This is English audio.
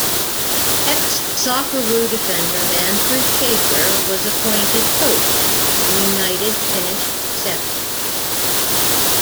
Ex-Socceroo defender Manfred Schaefer was appointed coach, and United finished seventh.